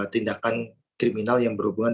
tindakan kriminal yang berhubungan